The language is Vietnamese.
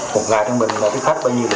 một gái trong mình là thích khách bao nhiêu